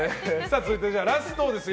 続いて、ラストですよ。